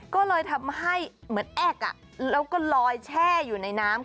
ก็เลยทำให้เหมือนแอ๊กแล้วก็ลอยแช่อยู่ในน้ำ